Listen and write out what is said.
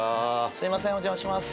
すいませんお邪魔します。